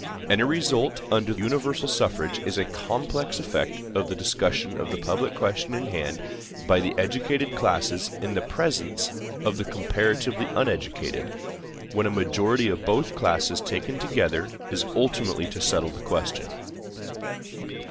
Any result under universal suffrage is a complex effect of the discussion of the public question in hand by the educated classes in the presence of the comparatively uneducated, when a majority of both classes taken together is ultimately to settle the question.